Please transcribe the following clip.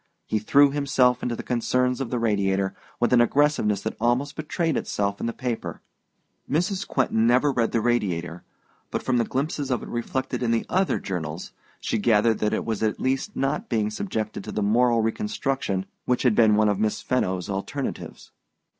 He threw himself into the concerns of the Radiator with an aggressiveness that almost betrayed itself in the paper. Mrs. Quentin never read the Radiator, but from the glimpses of it reflected in the other journals she gathered that it was at least not being subjected to the moral reconstruction which had been one of Miss Fenno's alternatives.